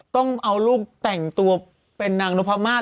ต้องเอาลูกแต่งตัวเป็นนางนพมาศ